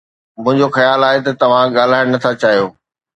منهنجو خيال آهي ته توهان ڳالهائڻ نٿا چاهيو